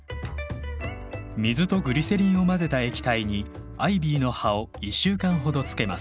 水とグリセリンを混ぜた液体にアイビーの葉を１週間ほどつけます。